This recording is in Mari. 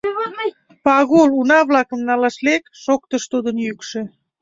— Пагул, уна-влакым налаш лек, — шоктыш тудын йӱкшӧ.